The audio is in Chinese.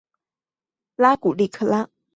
阿古利可拉。